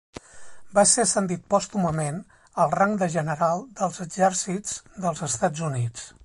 Va ser ascendit pòstumament al rang de General dels Exèrcits dels Estats Units.